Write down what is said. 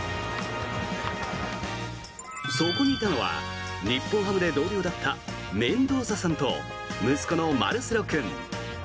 そこにいたのは日本ハムで同僚だったメンドーサさんと息子のマルセロ君。